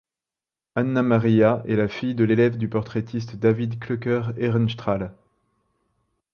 Anna Maria est la fille et l'élève du portraitiste David Klöcker Ehrenstrahl.